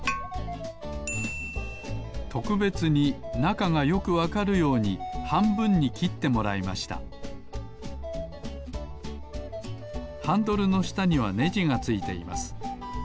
とくべつになかがよくわかるようにはんぶんにきってもらいましたハンドルのしたにはねじがついています。